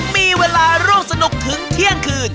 มีเวลาร่วมสนุกถึงเที่ยงคืน